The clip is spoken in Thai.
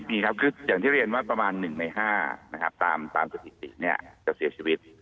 มีครับอย่างที่เรียนว่าประมาณ๑ใน๕ตามสถิตินี้จะเสียชีวิต